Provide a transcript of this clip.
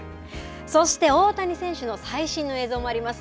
そして大谷選手の最新の映像もあります。